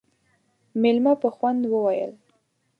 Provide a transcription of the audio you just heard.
مېلمه په خوند وويل: